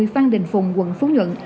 phan đình phùng quận phú nhuận